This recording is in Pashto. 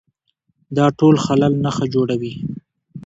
دا ټول خلل نښه جوړوي